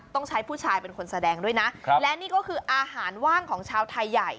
ต้องใช้ผู้ชายเป็นคนแสดงด้วยนะและนี่ก็คืออาหารว่างของชาวไทยใหญ่